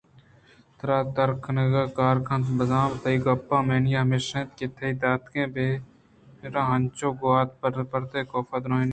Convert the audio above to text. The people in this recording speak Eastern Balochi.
ترا درکنگ کار کنت ؟ بزاں تئی گپ ءِ معنا ہمیش اِنت تئی داتگیں بیہار انچو گوٛات ءَ برتگ اَنت؟ کاف ءَ درّائینت